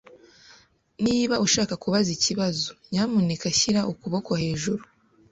Niba ushaka kubaza ikibazo, nyamuneka shyira ukuboko hejuru.